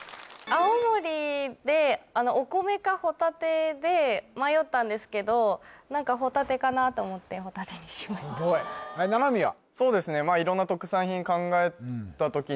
青森でお米かホタテで迷ったんですけど何かホタテかなと思ってホタテにしましたすごい七海は？